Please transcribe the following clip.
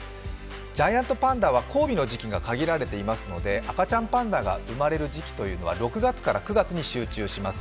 ジャイアントパンダは交尾の時期が限られていますので赤ちゃんパンダが生まれる時期というのは６月から９月に集中します。